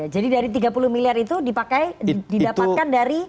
jadi dari tiga puluh miliar itu dipakai didapatkan dari